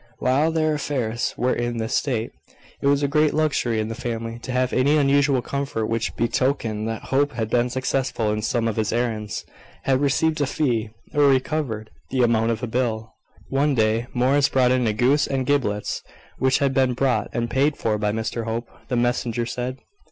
While their affairs were in this state, it was a great luxury in the family to have any unusual comfort which betokened that Hope had been successful in some of his errands, had received a fee, or recovered the amount of a bill. One day, Morris brought in a goose and giblets, which had been bought and paid for by Mr Hope, the messenger said.